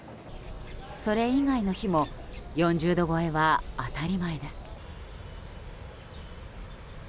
それ以外の日も４０度超えは当たり前です。